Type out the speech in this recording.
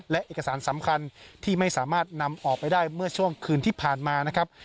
และเอกสารสำคัญที่ไม่สามารถนำออกไปได้เมื่อช่วงคืนที่ผ่านมานะครับ